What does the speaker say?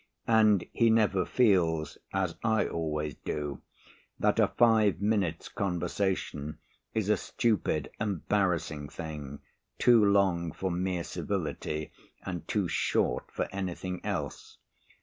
And he never feels, as I always do, that a five minutes' conversation is a stupid, embarrassing thing, too long for mere civility and too short for anything else.